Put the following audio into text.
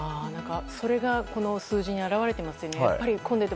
それがこの数字に表れてますよね。